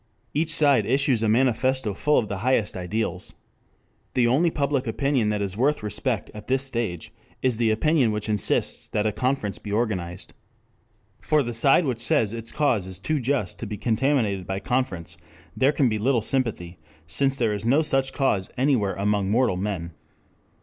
Each side issues a manifesto full of the highest ideals. The only public opinion that is worth respect at this stage is the opinion which insists that a conference be organized. For the side which says its cause is too just to be contaminated by conference there can be little sympathy, since there is no such cause anywhere among mortal men.